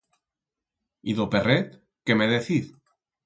Y d'o perret, qué me deciz?